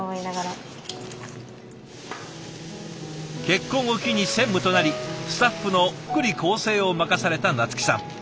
結婚を機に専務となりスタッフの福利厚生を任された菜月さん。